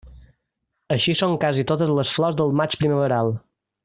Així són quasi totes les flors del maig primaveral.